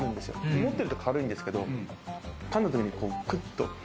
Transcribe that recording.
持ってると軽いんですけど、噛んだ時にクッと。